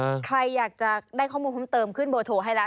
ใครอยากจะได้ข้อมูลเพิ่มเติมขึ้นเบอร์โทรให้แล้ว